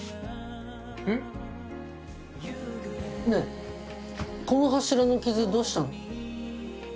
ん？ねぇこの柱のキズどうしたの？